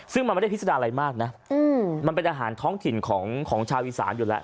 ซึ่งมันไม่ได้พิสดาอะไรมากนะมันเป็นอาหารท้องถิ่นของชาวอีสานอยู่แล้ว